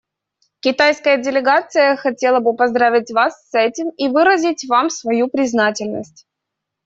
Китайская делегация хотела бы поздравить Вас с этим и выразить Вам свою признательность.